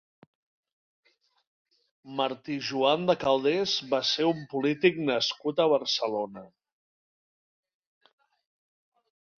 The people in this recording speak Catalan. Martí Joan de Calders va ser un polític nascut a Barcelona.